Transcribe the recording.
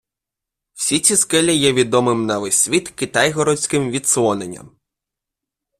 Всі ці скелі є відомим на весь світ Китайгородським відслоненням.